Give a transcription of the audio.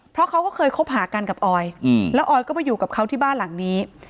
เพราะเขาก็เคยคบหากันกับออยแล้วออยก็ไปอยู่กับเขาที่บ้านหลังนี้